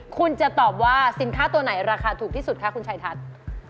คุณจะตอบว่าสินค้าตัวไหนราคาถูกที่สุดคะคุณชัยทัศน์